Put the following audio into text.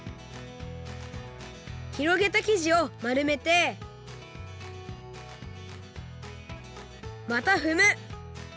ひろげた生地をまるめてまたふむ！